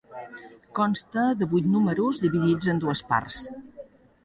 Consta de vuit números, dividits en dues parts.